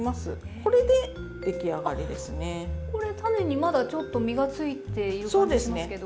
これ種にまだちょっと身がついている感じしますけど。